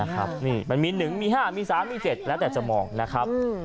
นี่มันมี๑มี๕มี๓มี๗แล้วแต่จะมองนะครับ